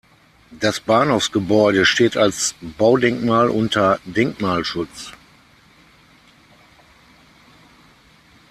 Das Bahnhofsgebäude steht als Baudenkmal unter Denkmalschutz.